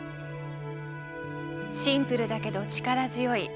シンプルだけど力強い。